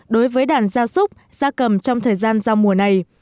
đối với đàn gia súc gia cầm trong thời gian giao mùa này